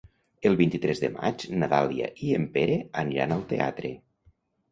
El vint-i-tres de maig na Dàlia i en Pere aniran al teatre.